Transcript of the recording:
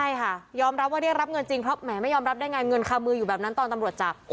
ใช่ค่ะยอมรับว่าเรียกรับเงินจริงเพราะแหมไม่ยอมรับได้ไงเงินคามืออยู่แบบนั้นตอนตำรวจจับ